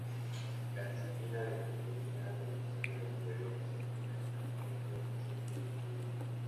La disciplina de ingeniería del diseño de tuberías estudia el transporte eficiente de fluidos.